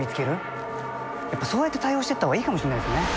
そうやって対応してった方がいいかもしれないですね。